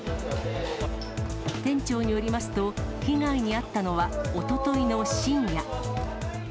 店長によりますと、被害に遭ったのは、おとといの深夜。